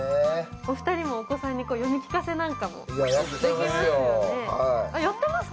お二人もお子さんに読み聞かせなんかも、やってますか？